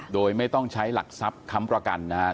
โดยไม่ต้องใช้หลักทรัพย์ค้ำประกันนะครับ